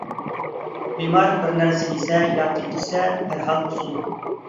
بىمار بىر نەرسە يېسە ياكى ئىچسە دەرھال قۇسىدۇ.